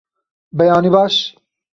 Beyanî baş!